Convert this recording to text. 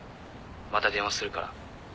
また電話するから。